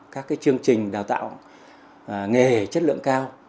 các chương trình đào tạo nghề chất lượng cao